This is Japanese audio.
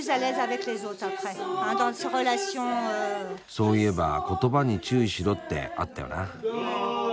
そういえば言葉に注意しろってあったよな。